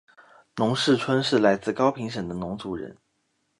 农氏春是来自高平省的侬族人。